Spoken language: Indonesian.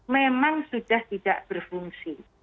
memang sudah tidak berfungsi